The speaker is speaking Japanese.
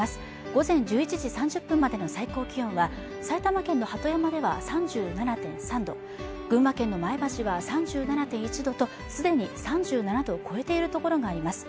午前１１時３０分までの最高気温は埼玉県の鳩山では３７．３度群馬県の前橋は３７．１度とすでに３７度を超えている所があります